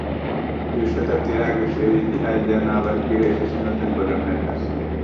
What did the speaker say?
দুই শতাব্দী আগের সেই ইতিহাস যেন আবার ফিরে এসেছে নতুন প্রজন্মের কাছে।